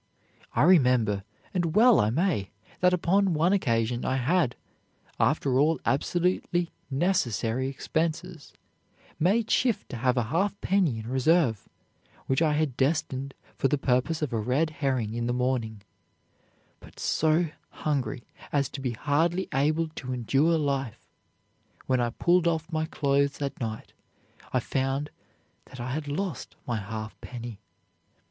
I remember, and well I may! that upon one occasion I had, after all absolutely necessary expenses, made shift to have a half penny in reserve, which I had destined for the purpose of a red herring in the morning, but so hungry as to be hardly able to endure life, when I pulled off my clothes at night, I found that I had lost my half penny.